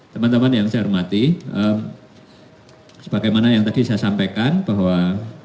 teman teman yang saya hormati sebagaimana yang tadi saya sampaikan bahwa dua ratus tiga puluh delapan